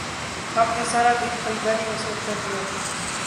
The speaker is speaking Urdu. ہم نے سارا دن خریداری میں صرف کر دیا